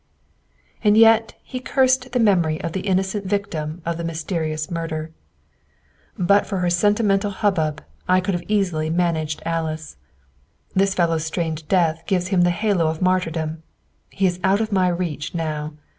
And yet he cursed the memory of the innocent victim of the mysterious murder. "But for her sentimental hubbub, I could have easily managed Alice. This fellow's strange death gives him the halo of martyrdom. He is out of my reach now.